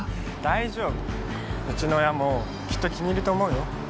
うちの親もきっと気に入ると思うよ。